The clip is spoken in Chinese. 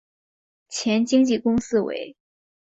前经纪公司为。